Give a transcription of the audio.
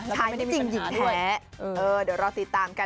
แล้วก็ไม่ได้มีปัญหาด้วยเออเดี๋ยวรอติดตามกันนะครับ